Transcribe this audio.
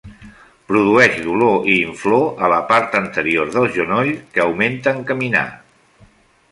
Produeix dolor i inflor a la part anterior del genoll que augmenta en caminar.